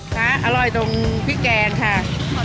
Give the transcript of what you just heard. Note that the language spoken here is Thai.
ฮะอร่อยจงพริกแกงค่ะ